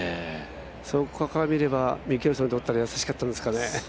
それからみれば、ミケルソンにとっては易しかったんですかね。